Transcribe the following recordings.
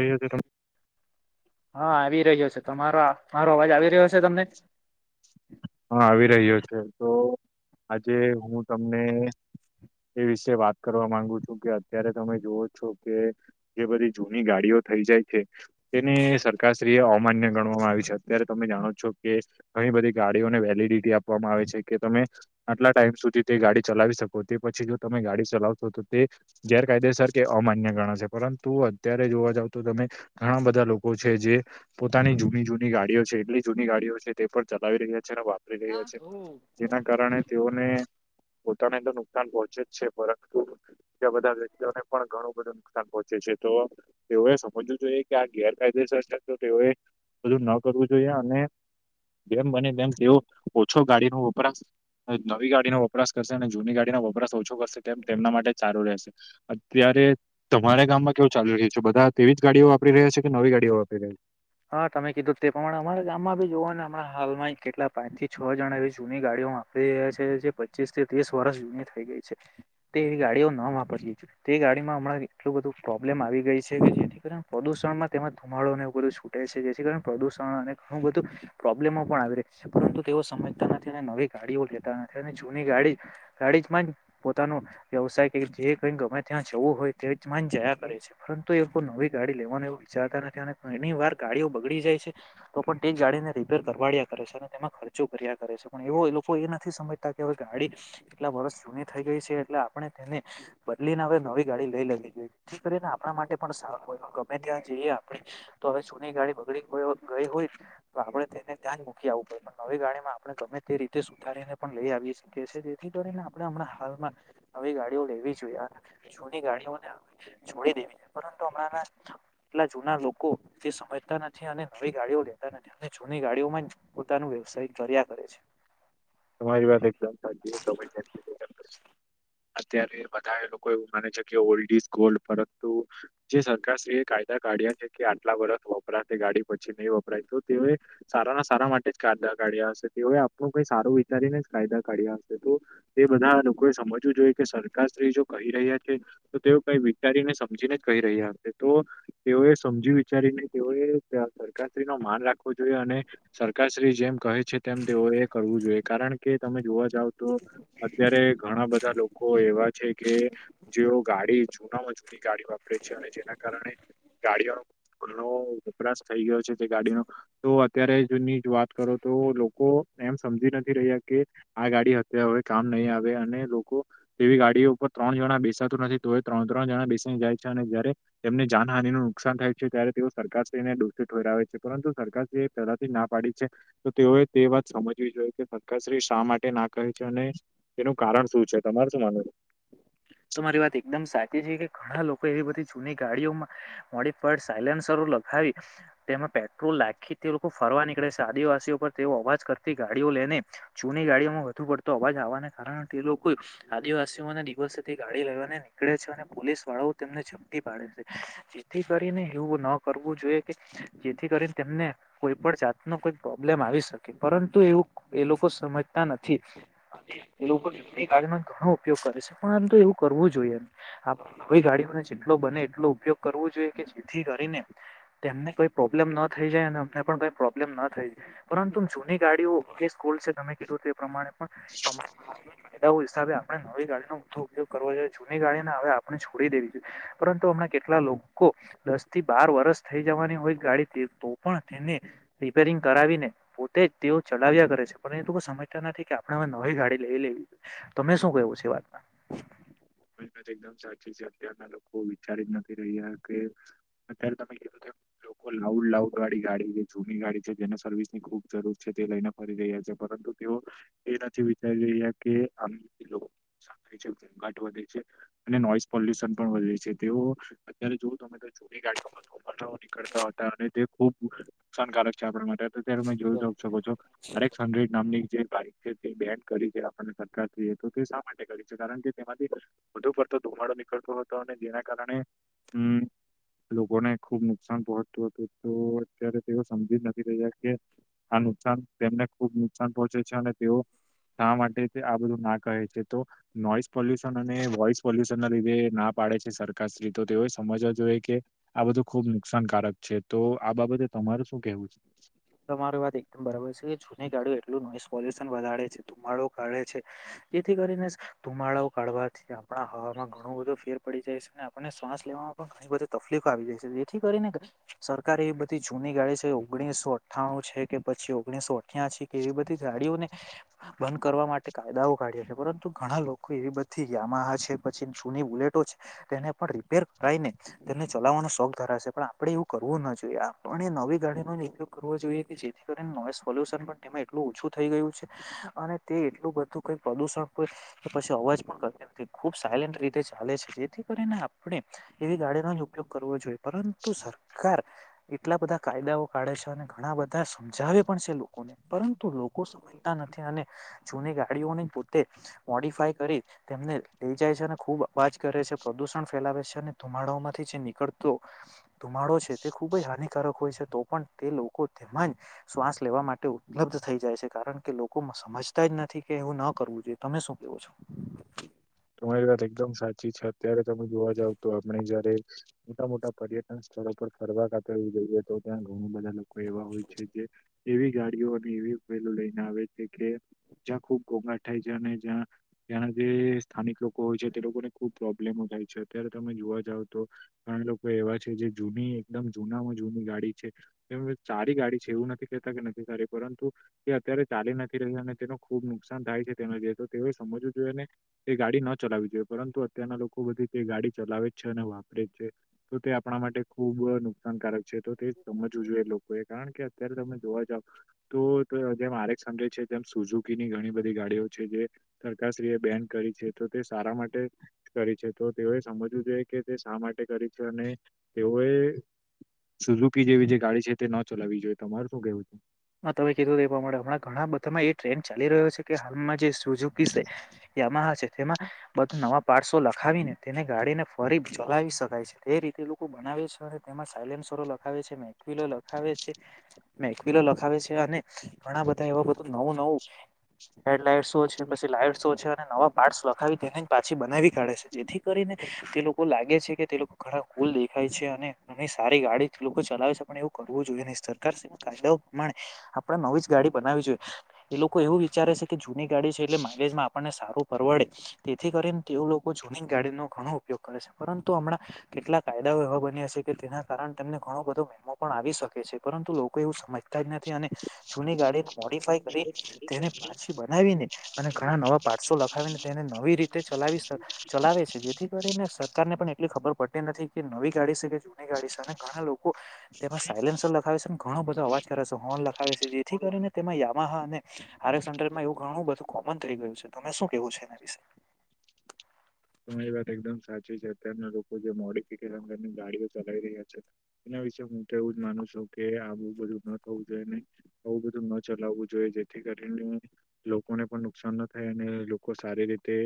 એયોજ હા આવી રહ્યો છે તમારો મારો અવાજ આવી રહ્યો છે તમને. હા આવી રહ્યો છે તો આજે હું તમને. એ વિશે વાત કરવા માંગુ છું કે અત્યારે તમે જોવો છો કે જે બધી જૂની ગાડીઓ. થઈ જાય છે તેને સરકારશ્રી અમાન્ય ગણવામાં આવી છે અત્યારે તમે જાણો છો કે. ઘણી બધી ગા ડી ઓ ને વેલિડિટી આપવામાં આવે છે કે તમે આટલા ટાઈમ સુધી તે ગાડી ચલાવી શકો તે પછી જો તમે ગા ડી ચલાવતો તે ગેરકાયદેસર કે અમાન્ય ગણાસે પરંત તું અત્યારે જોવા જાવ તો તમે ઘણા બધા લોકો. છે જે પોતાની જૂની જૂની ગાડીઓ છે એટલી જૂની ગાડીઓ છે તે પર ચલાવી રહ્યા છે. વાપરી રહ્યા છે જેના કારણે તેઓને. પોતાને તો નુકસાન પહોંચે જ છે પરંતુ બીજા બધા વ્યક્તિઓને પણ ઘણું બધું. નુકસાન પહોંચે છે તો તેઓએ સમજવું જોઈએ કે આ ગેરકાયદેસર છે તો તેઓએ. બધું ન કરવું જોઈએ અને જેમ બને તેમ. વરા નવી ગાડીનો વપરાશ કરશે અને જૂની ગાડીનો વપરાશ ઓછો કરશે તેમ તેમના માટે જ સારું રહેશે. અત્યારે તમારા ગામમાં કેવું ચાલી રહ્યું છે બધા તેવી જ ગાડીઓ વાપરી રહ્યા છે કે નવી ગા ડીઓ વાપરી રહ્યા. હા તમે કીધું તે પ્રમાણે અમારા ગામમાં ભી જુઓ ને હમં હાલમાં કેટલા પાંચ થી છ જણા એ જૂની ગાડી. વાપરી રહ્યા છે જે પચીસ થી ત્રીસ વર્ષ જૂની થઈ ગઈ છે તે એવી ગાડીઓ ન વાપરીએ. તે ગાડીમાં હમણાં એટલું બધું પ્રોબ્લેમ આવી ગઈ છે કે જેથી કરીને પ્રદુષણમાં તેમાંજ ધુમાડો ને એ બધું છૂ ટે છે જેથી કરીને પ્રદુષણ અને ઘણું બધું પ્રોબ્લેમો પણ આવી રહી છે પરંતુ તેઓ સમજતા નથી અને નવી ગાડીઓ લેતા નથી અને જૂની ગાડી ગાડીમાં જ પોતાનો વ્યવસાય કે જે કઈ ગમે ત્યાં જવું હોય તે જ માન જયા કરે છે પરંતુ એ લોકો નવી ગાડી લેવાનું એવું વિચારતા નથી અને ઘની વાર ગાડીઓ બગડી જાય છે તો પણ તે જ ગાડીને રિપેર કરવાડ્યા કરે છે અને તેમાં ખર્ચો કર્યા કરે છે પણ એવો લોકો એ નથી સમજતા કે હવે ગાડી કેટલા વર્ષ જૂની થઈ ગઈ છે એટલે આપણે તેને બદલીને અવે નવી ગાડી લઈ લેવી જોઈ જેથી કરીને આપણા માટે પણ સારું હોય ગમે ત્યાં જઈએ આપણે તો હવે છો ની ગાડી બગડી ગઈ હોય તો આપણે તેને ત્યાં જ મૂકી આવવું પડે પણ નવી ગાડીમાં આપણે ગમે તે રીતે સુધારીને પણ લઈ આવી શકે છે જેથી કરીને આ પણે હમણાં હાલમાં નવી ગાડીઓ લેવી જોઈએ જૂની ગાડીઓને છોડી દેવી જોઈએ. એ તો હમણાંના એટલા જૂના લોકો. તે સમજતા નથી અને નવી ગાડીઓ લેતા નથી અને જૂની ગાડીઓમાં જ પોતાનો વ્યવસાય કર્યા કરે છે. તમારી વાત એકદામ સાચી છે તમે જેમ કીધું તેમ કરશું. અત્યારે બધારે લોકો એવું માને છે કે ઓલ્ડ ઈઝ ગોલ્ડ પરંતુ જે સરકાર શ્રી એ કાય દા કાઢ્યા છે કે આટલા વર્ષ વપરાશે ગાડી પછી નહી વપરાય તો તેઓએ સારાના સારા માટે જ કાર યદા કાઢ્યા હશે તેઓએ આપણું કઈ સારું વિચારીને જ કાયદા કાઢ્યા હશે તો. એ બધા લોકો એ સમજવું જોઈએ કે સરકાર શ્રી જો કહી રહ્યા છે તો તેઓ કઈ વિચારીને સમજીને જ કહી. રહ્યા તો તેઓએ સમજી વિચારીને તેઓએ સરકારશ્રી નો માન રાખવો જોઈએ અને. સરકારશ્રી જેમ કહે છે તેમ તેઓ એ કરવું જોઈએ કારણ કે તમે જોવા જાવ તો અત્યારે ઘણા બ ધા લોકો એવા છે કે જેઓ ગાડી જૂનામાં જૂની ગાડી વાપરે છે અને જેના કારણે ગાડીઓનો ઘણો વપરાશ થઈ ગયો છે તે ગાડીનો તો અત્યારે જની વાત ક કરો તો લોકો એમ સમજી ન રહ્યા કે આ ગાડી હતે હવે કામ નહીં આવે અને લોકો તેવી ગાડીઓ ઉપર ત્રણ જણા બેસા તું નથી તો ત્રણ ત્રણ જણા બેસી જાય છે અને જયારે તેમને જાનહાની નું નુકસાન થાય છે ત્યારે તેઓ સરકાર શ્રી ડોસી ઠોરાવે છે પરંતુ સરકાર શ્રી એ પહેલાથી ના પાડી છે તો તેઓએ તે વાત સમજવી જોઈએ કે સરકારશ્રી શા માટે ના કહે છે અને તેનું કારણ શું છે તમાર શું માનવું? તમારી વાત એકદમ સાચી છે કે ઘણા લોકો એવી બધી જૂની ગાડીઓમાં મોડીફાડ સાઇલેન્સરો પખાવી તેમાં પેટ્રોલ લાખી તે લોકો ફરવા નીકળે છે આદિવાસીઓ પર તેઓ અવાજ કરતી ગાડીઓ લઈને જૂની ગાડીઓમાં વધુ પડતો અવાજ આવાને કારણે તે લોકો આદિવાસી દિવસેથી ગાડી લેવાને નીકળે છે અને પોલીસ વાળાઓ તેમને ઝપટી પાડે છે જેથી કરીન એવું ન કરવું જોઈએ કે જેથી કરીને તેમને કોઈ પણ જાતનો કોઈ પ્રોબ્લેમ આવી શકે પરંતુ એવું એ લોકો સમજતા નથી એ લોકો [unintelligible] ઘણું ઉપયોગ કરે છે પરંતુ એવું કરવું જોઈએ [unintelligible] આપ કોઈ ગાડીઓને જેટલો બને એટલો ઉપયોગ કરવો જોઈએ કે જેથી કરીને તેમને કઈ પ્રોબ્લેમ ન થઈ જાય અમને પણ કોઈ પ્રોબ્લેમ ન થઈ જાય પરંતુ જૂની ગાડીઓ કે સ્કૂલ છે તમે કીધું તે પ્રમાણે પણ [unintelligible] કાયદા હિસાબે આપણે નવી ગાડીનો વધુ ઉપયોગ કરવો જોઈએ જૂની ગાડીને હવે આપણે છોડી દેવી જોઈએ પરંતુ હમણાં કેટલા લોકો દસ થી બાર વરસ થઈ જવાની હોય ગાડી તે તો પણ તેને રિપેરિંગ કરાવીને પોતે જ તેઓ ચલાવ્યા કરે છે પણ એ લોકો સમજતા નથી કે આપણે હવે નવી ગાડી લઈ લેવી તમે શું કેવું છે એ વાતમાં? મારી વાત એકદમ સાચી છે અત્યારના લોકો વિચારી જ નથી રહ્યા કે અત્યારે તમે કીધું કે નવી લાઉડ વાળી ગાડી જે જૂની ગાડી છે જેને સર્વિસની ખુબ જરૂર છે તે લઈને ફરી રહ્યા છે પરંતુ તેઓ એ નથી વિચારી રહ્યા કે આમ છે કેટલું પ્રદૂષણ થાય છે ઘોંઘાટ વધે છે અને નોઈસ પોલ્યુશન પણ વધે છે તેઓ અત્યારે જો તમે કોઈ જૂની ગાડીઓમાં ધુમાડાઓ નીકળતા હતા અને તે ખુબસાનકારક છે આપણા માટે અત્યારે તમે જોઈ શકો છો [unintelligible] નામની જે બાઇક છે તે બેન કરી છે આપણને સરકાર શ્રી એ તો તે શા માટે કરી છે કારણ કે તેમાંથી વધુ પડતો ધુમાડો નીકળતો હતો અને જેના કારણે હમ લોકોને ખુબ નુકસાન પહોંચતું હતું તો અત્યારે તેઓ સમજી જ નથી રહ્યા કે આ નુકસાન તેમને ખુબ નુકસાન પહોંચે છે અને તેઓ શા માટે આ બધું ના કહે છે તો નોઈસ પોલ્યુશન અને વોઇસ પોલ્યુશનના લીધે ના પાડે છે સરકારશ્રી તો તેઓ સમજવા જોઈએ કે આ બધું ખુબ નુકસાનકારક છે તો આ બાબતે તમારું શું કેવું છે તમારી વાત એકદમ બરાબર છે જૂની ગાડી એટલું નોઈસ પોલ્યુશન વધારે છે ધુમાડો કાઢે છે. જેથી કરીને ધુમાડાઓ કાઢવાથી આપણા હવાવામાં ઘણું બધો ફેર પડી જાય છે અને આપણને શ્વાસ લેવા મા પણ ઘણી બધી તકલીફો આવી જાય છે જેથી કરીને સરકાર એવી બધી જૂની ગાડી છે. ઓગણીસો અઠ્ઠાણું છે કે પછી ઓગણીસો અઠ્યાસી કે એવી બધી ગાડીઓને બંધ કરવા માટે કાયદાઓ કાઢ્યા પરંતુ ઘણા લોકો એવી બધી કે યામાહા છે પછી જૂની બુલેટો છે તેને પણ રીપેર કાઇને તેમને ચલાવવાનો શોખ ધરાશે પણ આપડે એવું કરવું ના જોઈએ આપણે નવી ગાડીનો જ ઉપયોગ કરવો જોઈએ કે જેથી કરીને નોઇસ પોલ્યુશન પણ તેમાં એટલું ઓછું થઈ ગયું છે અને તે એટલું બધું પ્રદૂષણ પણ પછી અવાજ પણ કરતી નથી ખૂબ સાયલેન્ટ રીતે ચાલે છે જેથી કરીને આપણે એવી ગાડીનો જ ઉપયોગ કરવો જો પરંતુ સરકાર એટલા બધા કાયદાઓ કાઢે છે અને ઘણા બ ધા સમજાવે પણ છે લોકોને પરંતુ લોકો સમજતા નથી અને જૂની ગાડીઓને પોતે મોડિફાય કરી તેમને લઈ જાય છે અને ખૂબ અવાજ કરે છે પ્રદુષણ ફેલાવે છે ને ધુમાડામાંથી જે નીકળતો ધુમાડો છે તે ખૂબ જ હાનિકારક હોય છે તો પણ તે લો લોકો તેમાં જ શ્વાસ લેવા માટે ઉપલબ્ધ થઈ જાય છે કારણ કે લોકો સમજતા જ નથી કે એવું ન કરવું જોઈએ તમે શું કેવો છો. તમારી વાત એકદમ સાચી છે અત્યારે તમે જોવા જાવ તો આપણે જયારે મોટા મોટા પર્યટન સ્થળ પર ફરવા [unintelligible] જોઈએ તો ત્યાં ઘણું બધા લોકો એવા હોય છે જે. એવી ગાડીઓ અને એવી વહેલો લઈને આવે છે કે જ્યાં ખુબ ઘોંઘાટ થાય છે અને જ્યાં ત્યાંના જે સ્થાનિક લોકો હોય છે તે લોકોને ખુબ પ્રોબ્લેમો થાય છે અત્યારે તમે જોવા જાવ તો ઘણા લોકો એવા છે જે. જૂની એકદમ જૂનામાં જૂની ગાડી છે એ તેનું એ સારી ગાડી છે એવું નથી કેહેતા કે પરંતુ તે અત્યારે ચાલી નથી રહી અને તેનું ખુબ નુકસાન થાય છે તેના જે તો તેઓએ સમજવું જોઈએ ને એ ગાડી ન ચલાવી જોઈએ પરંતુ અત્યારના લોકો બધી તે ગાડી ચલાવે છે અને વાપરે છે તો તે આપણામાં માટે ખુબ નુકસાનકારક. છે તો તે સમજવું જોઈએ લોકોએ કારણ કે અત્યારે તમે જોવા જાવ તો જે મારે સમજે છે તેમ સુઝુકીની ઘણી બધી ગાડીઓ છે જે સરકારશ્રી એ બેન કરી છે તો તે સારા માટે કરી છે તો તેઓએ સમજવું જોઈએ કે તે શા માટે કરી છે અને તેઓએ સુઝુકી જેવી જે ગાડી છે, તે ન ચલાવી જોઈએ, તમાર શું કેવું છે. હ, તમે કીધું એવાે હમણાં ઘણા બધામાં એ ટ્રેન્ડ ચાલી રહ્યો છે, કે હાલમાં જે સુજુ માં હ છે, તેમાં બધું નવા પસો લખાવીને તેને ગાડીને ફરી ચલાવી શકાય છે, તે રીતે લોકો બનાવે છે, અને તેમાં સાયલેન્સરો લખાવે છે મેક્યુલો લખાવે છે. મેકિલો લખાવે છે, અને ઘણા બધા એવા બધું નવું, નવું હેડલાઇટ શો છે, પછી લાઈટસો છે, અને નવા પાર્ટ લખાવી તેને પાછી બનાવી કાઢે છે જેથી કરીને તે લોકો લાગે છે, કે તે લોકો ઘણા કુલ દેખાય છે, અને ઘની સારી ગાડી તે લોકો ચલાવે છે પણ એવું કરવું જોઈએ નહી, સરકાર ક આપણે નવી જ ગાડી, બનાવી જોઈએ એ લોકો એવું વિચારે છે, કે જૂની ગાડી છે, એટલે માઇલેજમાં આપણને સારું પરવડે તેથી કરીને, તે લોકો જૂની ગાડી નો ઘણો ઉપયોગ કરે છે, પરંતુ હમણાં કેટ કાયદાઓ એવા બન્યા છે, કે જેના કારણે તેમને ઘણો બધો વહેમો પણ આવી શકે છે પરંતુ લોકો એવું સમજ જ નથી, અને જૂની ગાડી મોડીફાય કરી, તેને પાછી બનાવીને અને ઘણા નવા પારસો લખાવીને તેને નવી રીતે ચ ચલાવે છે, જેથી કરીને સરકારને પણ એટલી ખબર પ નથી કે નવી ગાડી છે, કે જૂની ગાડી છે, અને ઘણા લોકો તેમાં સાયલેન્સર લખાવે છે. ઘણો બધો અજ કરે છે, હોન આવે છે, જેથી કરીને તેમાં યામાહા અને સંર્માં એવું ઘણું બધું કોમન થઈ ગયું છે, તમે શું કેવું છે. ને તમારી વાત એકદમ સાચી છે, અત્યારના લોકો જે મોડફિકેશન કરી ગાડીઓ ચલાવી રહ્યા છે. એ વિ હું, તો એવું જ માનું છું, કે આવું બધું ન થવું જોઈએ ને આવું બધું ન ચલાવવું જોઈએ જેથી કરીને લોકોને પણ નુકસાન ના થાય, અને લોકો સારી રીતે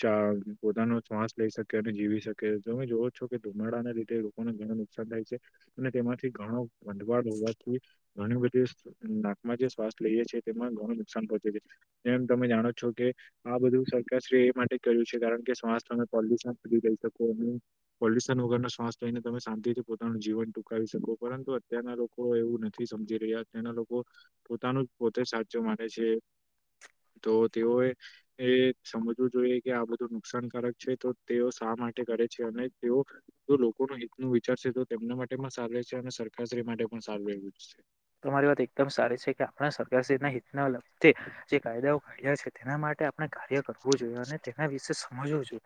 ચા પોતાનો શ્વાસ લઈ શકે અને જીવી શકે તમે જોવઓ છો, કે ધુમાડા ના લીધે લોકોને ઘણ નુકસાન થાય છે. અને તેમાંથી ઘણો ભંડવાળ હોવાથી, ઘણી બધી નાકમાં જે શ્વાસ લઈએ છી. તેમાં ઘણું નુકસાન પહોંચે છે, જેમ તમે જાણો છો, કે આ બધું સરકાર શ્રી એ માટે કર્યું કારણ કે શ્વાસ તમે પોલ્યુશન ફઈ શકો અને પોલ્યુશન વગર શ્વાસ લઈને, તમે શાંતિ પોતા જીવન ટૂંકાવી શકો પરંતુ અત્યારના લોકો એવું નથી, સમજી રહ્યા અતના લોકો પોતાનું પોતે સાચો માને છે, તો તેઓએ એ સમજવું જોઈએ કે આ બધું નુકસાનકારક છે, તો તેઓ શા માટે કરે છે, અને તેઓ લોકોનું હિત ન વિચાર તો તેમના માટે પણ સારું છે, અને સરકારશ્રી માટે પણ સારું એું છે. તમારી વાત એકદમ સારી છે, કે આપણા સરકાર શના હિતના લગ્ય, જે કાયદાઓ કાઢ્યા છે તેના માટે આપણે કાર્ય કરવું જોઈએ, અને તેના વિશે સમજવું જોઈએ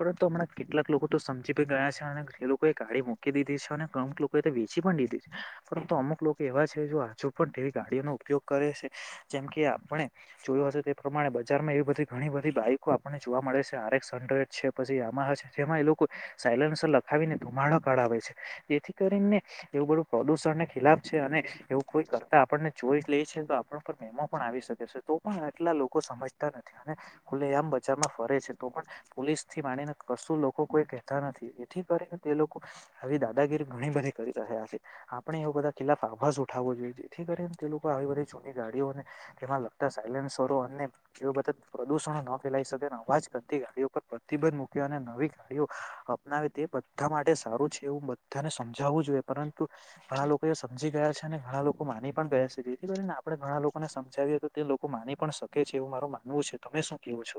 પરંતુ હમણાં કેટલાક લોકો તો સમજી પણ ગયા છે, અને જે લોકોએ ગાડી મૂકી દીધી છે, અને અમુક લોકો વેચી પણ દીધી છે, પરંતુ અમુક લોકો એવા છે, હજુ પણ તેવી ગાડીઓનો ઉપયોગ કરે છે, જેમ કે આપણે જોયો હશે તે પ્રમાણે બજારમાં એવી બધી ઘણી બધી બાઈકો આપણને જોવા મળે છે આરેડડ છે, પછી આમાં હ જેમાં એ લોકો સાયલન્સર લખાવીને ધુમાડો કરઢાવે છે, તેથી કરીને એવું, બધું પ્રદુષણને ખિલાફ અને એવું કોઈ કરતા આપણને જોઈ લે છે, તો આપણ પર મેમો પણ આવી શકે છે, તો પણ આટલા લોકો સમજતા નથી અને ખલે એ આમ બજારમાં ફરે છે, તો પણ પોલીસ થી માણીને કશું લોકો કોઈ કે નથી, એથી કરી તે લોકો આવી દાદાગીરી ઘણી બધી કરી રહ્યા છે, આપણે એવ બધા કેિલા આભાસ ઉઠાવવો જોઈએ, જેથી કરીને, તે લોકો આવી બધી જૂની ગાડીઓને તેમાં લગતા સાયલેન્રો એ બધ પ્રદુષણો ન ફેલાઈ શકે અવાજ કરતી ગાડીઓ, પર પ્રતિબંધ મૂક્યો અને નવી ગાડીઓ અપનાવે તે બધા માટે સારું છે, એવું બધાને સમજાવવું જોઈએ પરંતુ ઘણા લોકો એ સમજી ગયા છે, અને ઘણા લોકો માની પણ ગયા છે, જેથી કરીને આપણે ઘણા લોકોને સમજાવીએ તો તે લોકો માની પણ શકે છે. એવું માર માનવું છે, તમે શું કેવો છો.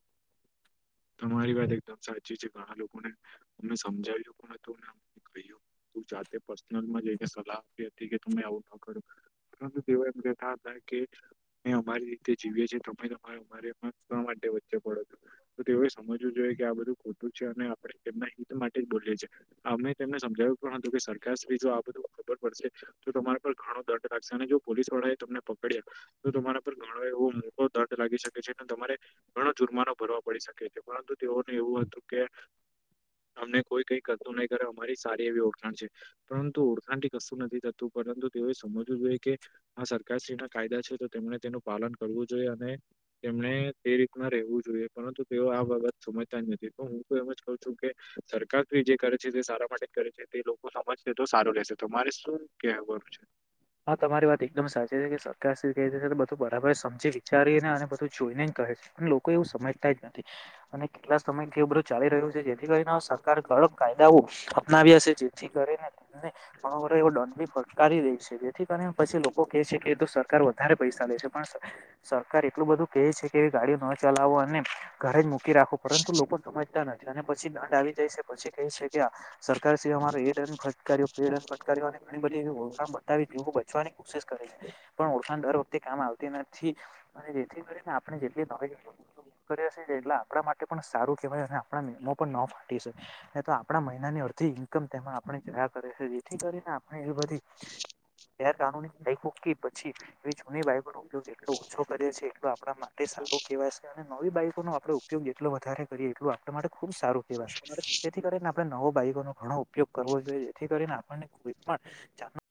[inaudible] મારી વાત એકદમ સાચી છે, ઘણા લોકોને અને સમજાવ્યું પણ હતું, ને કહ્યું તું જાતે પર્સનલમાં જને સલાહ આપી હતી, કે તમે આવું ખર ત દવા એ કેતા હતા, કે મે અમારી તે જીવીએ છીએ, તમે તમારા મારે શ માટે વચ્ચે પડો છો. તો તેઓએ સમજવું જોઈએ કે આ બધું ખોટું છે, અને આપણે તેમના હિત માટે જ બોલીએ છીએ, અમે તેમને સમજાવ્યું હતું કે સરકાર શ્રી જો આ બધું ખબર પડશે તો તમારા પર ઘણો દંડ લાગશે અને જો પોલીસ વાળા એ તમને. પકડ્યા તો તમારા પર ઘણો એવો મોટો દંટ લાગી શકે છે અને તમારે ઘણો જુર્માનો ભરવા પડી શકે છે પરંતુ તેઓ ને એવું હતું કે. અમને કોઈ કઈ કરતું નહી કરે અમારી સારી એવી ઓળખાણ છે પરંતુ ઓળખાણ થી કશું નથી થતું. પરંતુ તેઓએ સમજવું જોઈએ કે આ સરકારશ્રી ના કાયદા છે તો તેમણે તેનું પાલન કરવું જોઈએ અને એમણે તે રીતમાં રહેવું જોઈએ. પરંતુ તેઓ આ બાબત સમજતા જ નથી પણ હું તો એમ જ કઉ છું કે સરકાર જે કરે છે તે સારા માટે કરે છે તે લોકો સમજશે તો સારું લેશે તમારે શું કહેવાનું છે. હા તમારી વાત એકદમ સાચી છે કે સરકાર શ્રી કેઈ રીતે બધું બરાબર સમજી વિચારીને અને બધું જોઈને કહે છે. પણ લોકો એવું સમજતા જ નથી અને કેટલા સમયથી બધું ચાલી રહ્યું છે જેથી કરીને સરકાર કયો કા યદાઓ અપનાવ્યા છે જેથી કરીને તેમને ઘણો એવો દંડ બી ફટકારી રેઇ છે. થી કરી પછી લોકો કેહે છે કે તો સરકાર વધારે પૈસા લે છે પણ સર સરકાર એટલું બધું કેહે છે કે ગાડીઓ ન ચલાવો અને ઘરે જ મૂકી રાખો પરંતુ લોકો સમજતા નથી અને પછી દંડ આવી જાય છે પછી કે છે કે સરકાર શ્રી અમાર એ દંડ ફટકાર્યો તે દંડ ફટકાર્યો ઘણી બધી ઓળખાણ બતાવી. બચવાની કોશિશ કરે છે પણ ઓળખાણ દર વખતે કામ આવતી નથી અને જેથી કરીને આપણે હવે. કરે છે એટલે આપણા માટે પણ સારું કેવાય આપણા મેમો પણ ન ફાટી શકે તો આપણા મહિનાની બધી ઇન્કમ તેમાં આપણે જોયા કરે છે જેથી કરીને આપણે એ બધી ગેરકાનૂની બાઈક પછી એ જૂની બાઈકો નો ઉપયોગ એટલો ઓછો કરે છે એટલો આપ પણ માટે સારો કહેવાય છે અને નવી બાઈકોનો આપણે ઉપયોગ એટલો વધારે કરીએ, એટલો આપણે માટે. ખુબ સારું કેવાશે, જેથી કરીને આપણે નવો બાઈકો નો ઘણો ઉપયોગ કરવો જોઈએ, જેથી કરીને. [unintelligible]